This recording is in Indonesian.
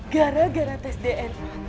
gara gara tes dna